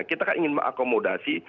kita kan ingin mengakomodasi